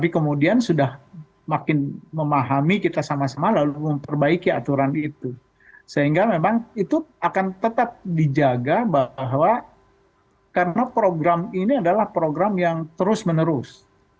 kemudian sudah makin memahami kita sama sama lalu memperbaiki aturan itu sehingga memang itu akan tetap dijaga bahwa karena program ini adalah program yang terus menerus